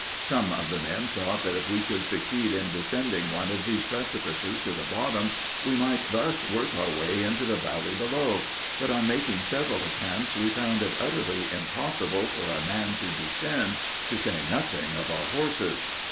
Some of the men thought that if we could succeed in descending one of these precipices to the bottom, we might thus work our way into the valley below—but on making several attempts we found it utterly impossible for a man to descend, to say nothing of our horses.